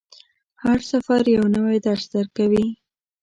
هر سفر یو نوی درس درکوي.